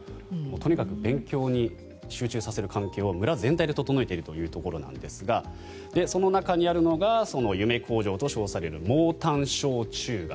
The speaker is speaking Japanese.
とにかく勉強に集中させる環境を村全体で整えているというところなんですがその中にあるのがその夢工場と称される毛坦廠中学